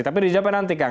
tapi di jepang nanti kang